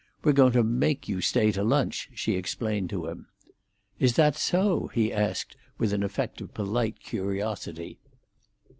"We're going to make you stay to lunch," she explained to him. "Is that so?" he asked, with an effect of polite curiosity.